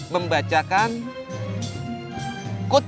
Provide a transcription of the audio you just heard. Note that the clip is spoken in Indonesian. membacakan sholat a'idul fitri